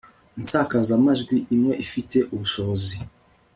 insakazamajwi imwe ifite ubushobozi